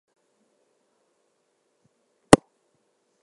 It operates passenger, cargo, and utility services.